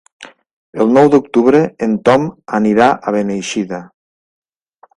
El nou d'octubre en Tom anirà a Beneixida.